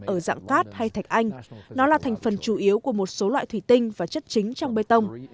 ở dạng cát hay thạch anh nó là thành phần chủ yếu của một số loại thủy tinh và chất chính trong bê tông